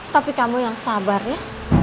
tapi kamu yang sabar ya